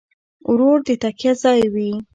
ورور د تکیه ځای وي.